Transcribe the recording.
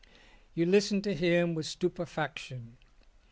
You listened to him with stupefaction.